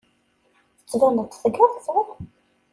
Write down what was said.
Tettbaneḍ-d tgerrzeḍ.